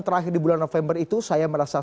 terakhir di bulan november itu saya merasa